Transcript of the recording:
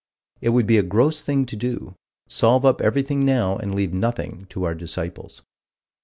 It would be a gross thing to do: solve up everything now and leave nothing to our disciples.